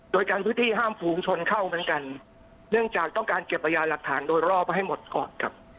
โดยกันพื้นที่ห้ามฝูงชนเข้าเหมือนกันเนื่องจากต้องการเก็บพยานหลักฐานโดยรอบให้หมดก่อนครับ